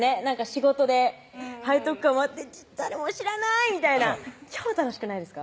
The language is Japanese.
仕事で背徳感もあって誰も知らないみたいな超楽しくないですか？